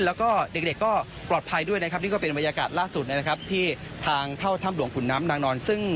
แล้วเด็กก็ปลอดภัยด้วยนี่ก็เป็นบรรยากาศล่าสุดที่ทางเข้าถ้ำหลวงผูนน้ำนางนอน